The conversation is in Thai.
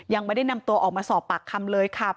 ยังไม่ได้นำตัวออกมาสอบปากคำเลยค่ะ